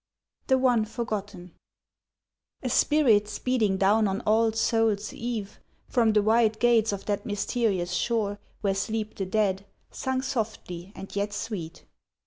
THE ONE FORGOTTEN A SPIRIT speeding down on AD Souls' Eve From the wide gates of that mysterious shore Where sleep the dead, sung softly and yet sweet.